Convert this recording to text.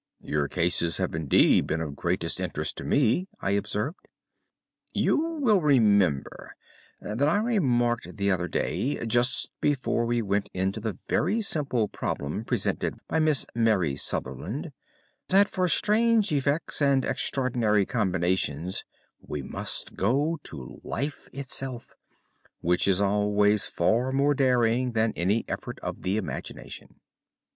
"Your cases have indeed been of the greatest interest to me," I observed. "You will remember that I remarked the other day, just before we went into the very simple problem presented by Miss Mary Sutherland, that for strange effects and extraordinary combinations we must go to life itself, which is always far more daring than any effort of the imagination."